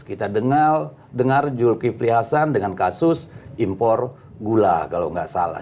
kita dengar julki flihassan dengan kasus impor gula kalau nggak salah